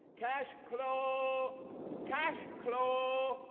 "Cash clo'! Cash clo'!"